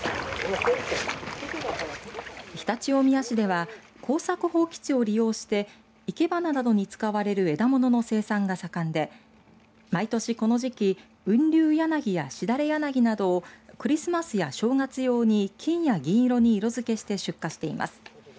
常陸大宮市では耕作放棄地を利用して生け花などに使われる枝物の生産が盛んで毎年この時期、雲龍柳やしだれ柳などをクリスマスや正月用に金や銀色に色づけして出荷しています。